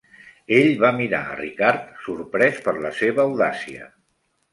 Ell va mirar a Ricardo sorprès per la seva audàcia.